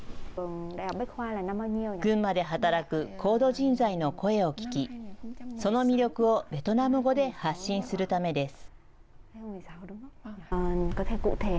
群馬で働く高度人材の声を聞き、その魅力をベトナム語で発信するためです。